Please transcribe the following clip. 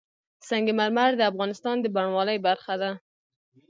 سنگ مرمر د افغانستان د بڼوالۍ برخه ده.